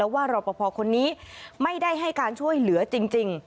แล้วว่ารอปภพคนนี้ไม่ได้ให้การช่วยเหลือจริงจริง